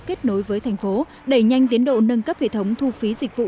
kết nối với thành phố đẩy nhanh tiến độ nâng cấp hệ thống thu phí dịch vụ